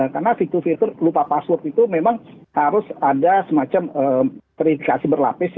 karena fitur fitur lupa password itu memang harus ada semacam kreditikasi berlapis